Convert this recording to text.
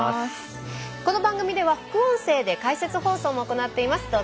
この番組では副音声で解説放送も行っています。